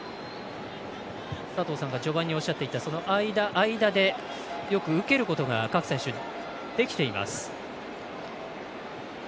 佐藤さんが序盤におっしゃっていた、間、間でよく受けることが各選手できています。